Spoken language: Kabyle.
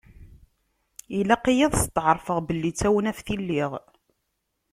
Ilaq-iyi ad stεerfeɣ belli d tawnaft i lliɣ.